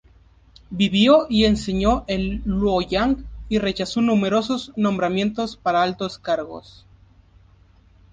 Vivió y enseñó en Luoyang, y rechazó numerosos nombramientos para altos cargos.